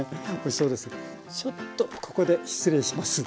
ちょっとここで失礼します。